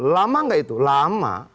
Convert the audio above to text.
lama gak itu lama